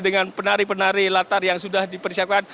dengan penari penari latar yang sudah dipersiapkan